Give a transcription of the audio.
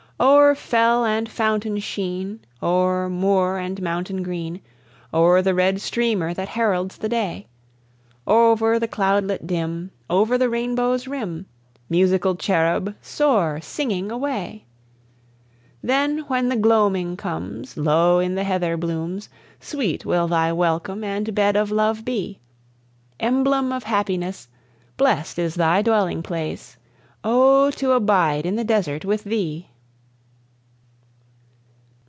O'er fell and fountain sheen, O'er moor and mountain green, O'er the red streamer that heralds the day, Over the cloudlet dim, Over the rainbow's rim, Musical cherub, soar, singing, away! Then, when the gloaming comes, Low in the heather blooms Sweet will thy welcome and bed of love be! Emblem of happiness, Blest is thy dwelling place Oh, to abide in the desert with thee!